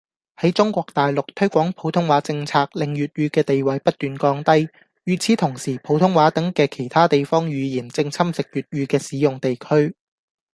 喺中國大陸，推廣普通話政策令粵語嘅地位不斷降低，與此同時普通話等嘅其他地方語言正侵蝕粵語嘅使用地區